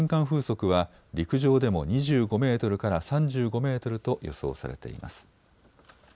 風速は陸上でも２５メートルから３５メートルと予想されています。